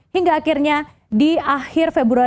hingga akhirnya di akhir februari dua ribu dua puluh dua